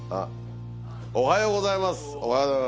おはようございます。